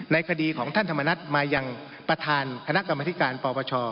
คดีของท่านธรรมนัฐมายังประธานคณะกรรมธิการปปช